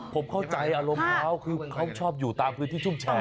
ผมเข้าใจอารมณ์เขาคือเขาชอบอยู่ตามพื้นที่ชุ่มแชร์